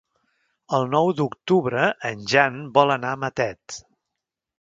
El nou d'octubre en Jan vol anar a Matet.